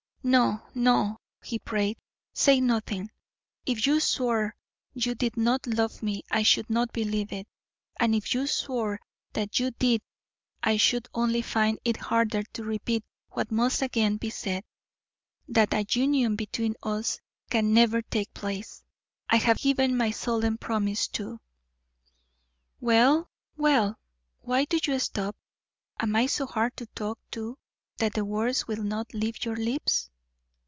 "No, no," he prayed, "say nothing. If you swore you did not love me I should not believe it, and if you swore that you did I should only find it harder to repeat what must again be said, that a union between us can never take place. I have given my solemn promise to " "Well, well. Why do you stop? Am I so hard to talk to that the words will not leave your lips?"